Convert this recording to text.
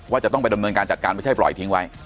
จะต้องไปดำเนินการจัดการไม่ใช่ปล่อยทิ้งไว้